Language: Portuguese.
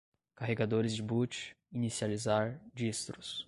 carregadores de boot, inicializar, distros